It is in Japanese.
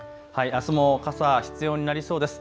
あすも傘、必要になりそうです。